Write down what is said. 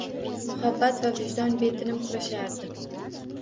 Muhabbat va vijdon betinim kurashardi